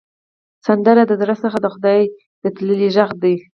سندره د زړه څخه خدای ته تللې غږ ده